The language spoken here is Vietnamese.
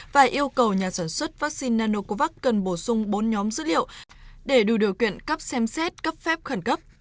và yêu cầu nhà sản xuất vaccine nanocovax cần bổ sung bốn nhóm dữ liệu để đủ điều kiện cấp xem xét cấp phép khẩn cấp